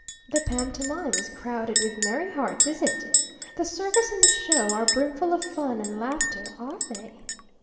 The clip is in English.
The pantomime is crowded with merry hearts, is it? The circus and the show are brimful of fun and laughter, are they?